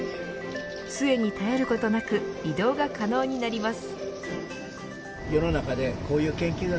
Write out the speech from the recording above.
杖に頼ることなく移動が可能になります。